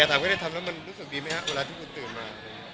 แต่ถามว่าได้ทำแล้วมันรู้สึกดีไหมครับเวลาที่คุณตื่นมา